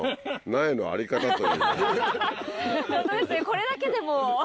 これだけでも。